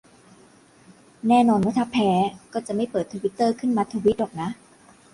แน่นอนว่าถ้าแพ้ก็จะไม่เปิดทวิตเตอร์ขึ้นมาทวีตหรอกนะ